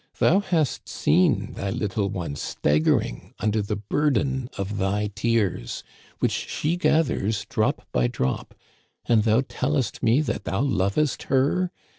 Thou hast seen thy little one staggering under the burden of thy tears, which she gathers drop by drop, and thou tellest me that thou lovest her